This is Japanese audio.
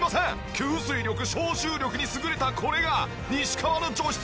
吸水力・消臭力に優れたこれが西川の除湿シート！